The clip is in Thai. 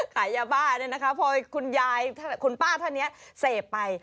ขายยาบ้าเนี่ยนะคะพอคุณยายคุณป้าท่านนี้เสพไป